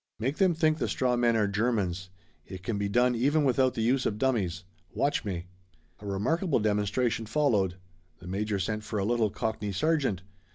"Make them think the straw men are Germans. It can be done even without the use of dummies. Watch me." A remarkable demonstration followed. The major sent for a little Cockney sergeant.